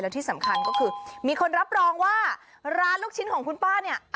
ที่สำคัญก็คือมีคนรับรองว่าร้านลูกชิ้นของคุณป้าเนี่ย